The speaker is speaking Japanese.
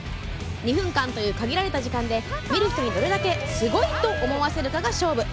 ２分間という限られた時間で見る人にどれだけすごい！と思わせるかが勝負。